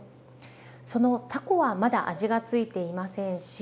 そのタコはまだ味が付いていませんし。